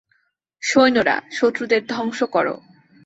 সৈন্যরা, শত্রুদের ধ্বংস কর!